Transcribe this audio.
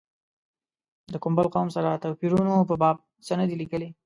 د کوم بل قوم سره توپیرونو په باب څه نه دي لیکلي.